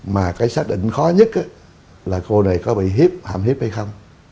mà cái xác định khó nhất là cô này có bị hiếp hạm hiếp hay không